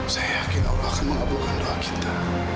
saya yakin allah akan mengabulkan doa kita